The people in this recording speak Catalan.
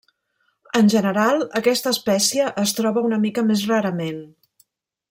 En general aquesta espècie es troba una mica més rarament.